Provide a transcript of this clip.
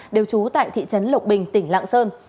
đều trú tại thị trấn lộc bình tỉnh lạng sơn